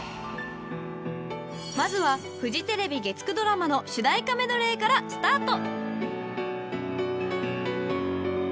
［まずはフジテレビ月９ドラマの主題歌メドレーからスタート］